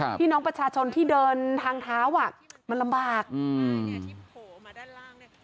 ครับที่น้องประชาชนที่เดินทางเท้าอ่ะมันลำบากอืม